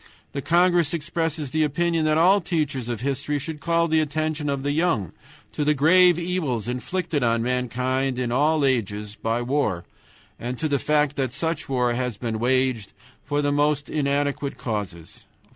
The congress expresses the opinion that all teachers of history should call the attention of the young to the grave evils inflicted on mankind in all ages by war, and to the fact that such war has been waged for most inadequate causes.